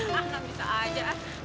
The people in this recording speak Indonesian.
nah nen bisa aja